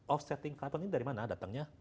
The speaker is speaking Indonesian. offsetting carbon ini dari mana datangnya